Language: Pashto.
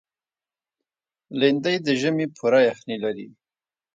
لېندۍ د ژمي پوره یخني لري.